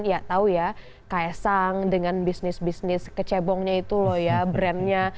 ya tau ya ks sang dengan bisnis bisnis kecebongnya itu loh ya brandnya